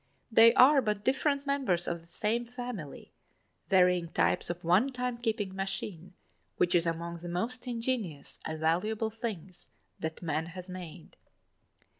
They are but different members of the same family, varying types of one time keeping machine which is among the most ingenious and valuable things that man has made.